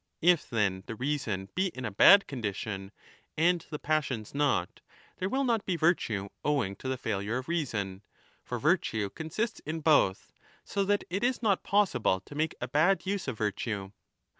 If, then, the reason be in 15 a bad condition, and the passions not, there will not be virtue owing to the failure of reason (for virtue consists in both). So that it is not possible to make a bad use of virtue.